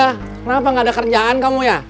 ya kenapa gak ada kerjaan kamu ya